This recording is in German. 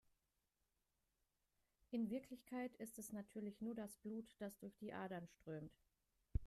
In Wirklichkeit ist es natürlich nur das Blut, das durch die Adern strömt.